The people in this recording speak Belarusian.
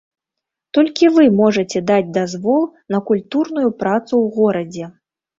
Толькі вы можаце даць дазвол на культурную працу ў горадзе.